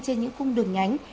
trên những cung đường nhánh